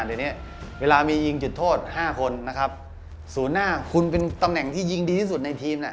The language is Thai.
เดี๋ยวนี้เวลามียิงจุดโทษ๕คนสูตรหน้าคุณเป็นตำแหน่งที่ยิงดีที่สุดในทีม